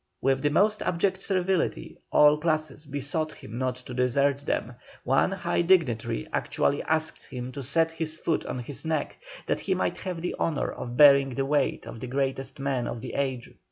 With the most abject servility all classes besought him not to desert them; one high dignitary actually asked him to set his foot on his neck that he might have the honour of bearing the weight of the greatest man of the age.